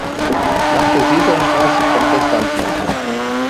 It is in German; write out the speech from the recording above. Nach der Sesamstraße kommt das Sandmännchen.